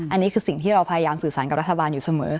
อันนี้คือสิ่งที่เราพยายามสื่อสารกับรัฐบาลอยู่เสมอ